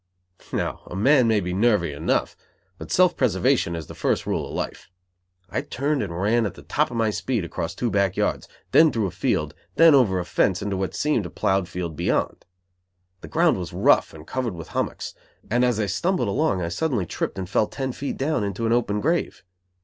Now a man may be nervy enough, but self preservation is the first rule of life. I turned and ran at the top of my speed across two back yards, then through a field, then over a fence into what seemed a ploughed field beyond. The ground was rough and covered with hummocks, and as I stumbled along I suddenly tripped and fell ten feet down into an open grave.